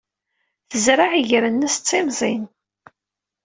Tezreɛ iger-nnes d timẓin.